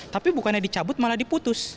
tapi bukannya dicabut malah diputus